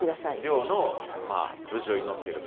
漁の無事を祈ってると。